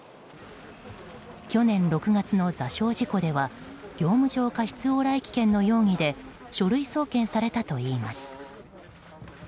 去年６月の座礁事故では業務上過失往来危険の容疑で書類送検されたといいます。